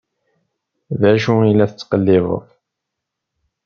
D acu i la tettqellibeḍ?